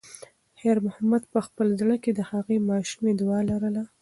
خیر محمد په خپل زړه کې د هغې ماشومې دعا لرله.